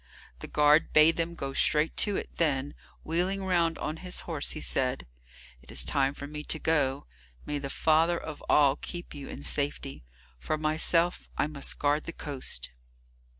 The guard bade them go straight to it, then, wheeling round on his horse, he said, "It is time for me to go. May the Father of All keep you in safety. For myself, I must guard the coast."